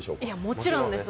もちろんです。